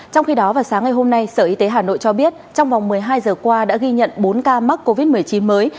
trong khi đó vào sáng ngày hôm nay sở y tế hà nội cho biết trong vòng một mươi hai giờ qua đã ghi nhận bốn ca mắc covid một mươi chín mới